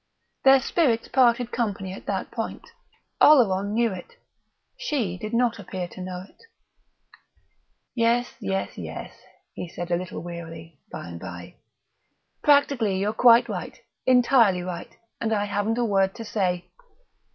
Their spirits parted company at that point. Oleron knew it. She did not appear to know it. "Yes, yes, yes," he said a little wearily, by and by, "practically you're quite right, entirely right, and I haven't a word to say.